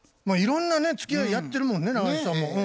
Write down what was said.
まあいろんなねつきあいやってるもんね中西さんも。